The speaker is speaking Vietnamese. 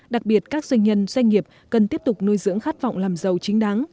đặc biệt các doanh nhân doanh nghiệp cần tiếp tục nuôi dưỡng khát vọng làm giàu chính đáng